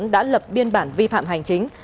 đã lập biên bản vi phạm hành chính